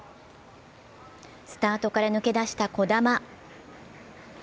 スタートから抜け出した児玉。